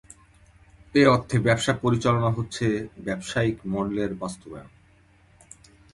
এ অর্থে ব্যবসা পরিচালনা হচ্ছে ব্যবসায়িক মডেলের বাস্তবায়ন।